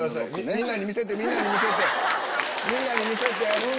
みんなに見せてみんなに見せてみんなに見せて！